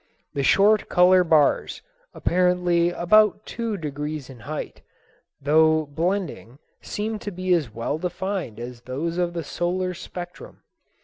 The short color bars, apparently about two degrees in height, though blending, seemed to be as well defined as those of the solar spectrum.